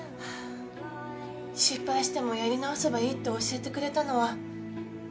失敗してもやり直せばいいって教えてくれたのは健ちゃんだよ？